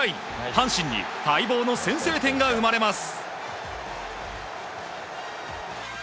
阪神に待望の先制点が生まれます。